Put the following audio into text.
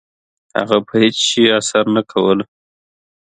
هغه په هیڅ شي اسره نه کوله. .